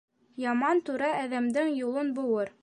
Яман түрә әҙәмдең юлын быуыр.